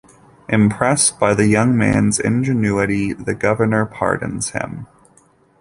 Impressed by the young man's ingenuity, the Governor pardons him.